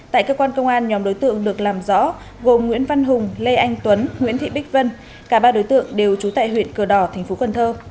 tại cơ quan công an nhóm đối tượng được làm rõ gồm nguyễn văn hùng lê anh tuấn nguyễn thị bích vân cả ba đối tượng đều trú tại huyện cửa đỏ tp quân thơ